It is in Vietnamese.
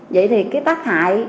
vậy thì cái tác hại